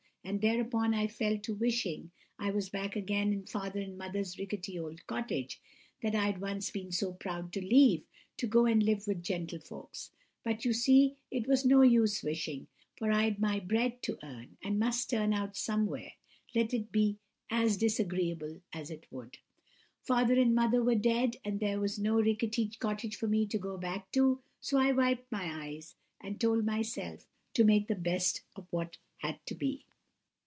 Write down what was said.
And thereupon I fell to wishing I was back again in father and mother's ricketty old cottage, that I'd once been so proud to leave, to go and live with gentlefolks. But, you see, it was no use wishing, for I'd my bread to earn, and must turn out somewhere, let it be as disagreeable as it would. Father and mother were dead, and there was no ricketty cottage for me to go back to, so I wiped my eyes, and told myself to make the best of what had to be.